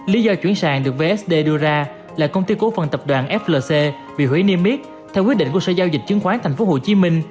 lý do chuyển sàn được vsd đưa ra là công ty cổ phần tập đoàn flc bị hủy nimitz theo quyết định của sở giao dịch chứng khoán tp hcm